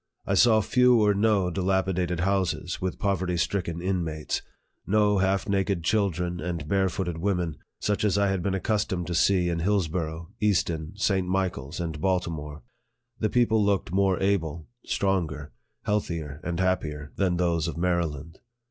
I saw few or no dilapidated houses, with poverty stricken inmates; no half naked children and barefooted women, such as I had been accustomed to see in Hillsborough, Easton, St. Michael's, and Baltimore. The people looked more able, stronger, healthier, and happier, than those of Maryland.